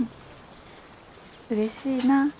うれしいな。